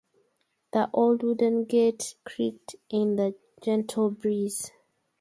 The old wooden gate creaked in the gentle breeze.